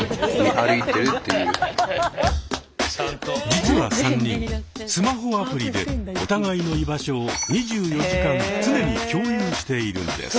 実は３人スマホアプリでお互いの居場所を２４時間常に共有しているんです。